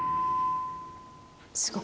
すごい。